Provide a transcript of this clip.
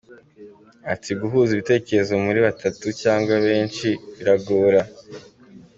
Ati “Guhuza ibitekerezo muri batatu cyangwa benshi biragora.